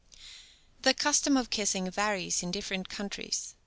The custom of kissing varies in different countries.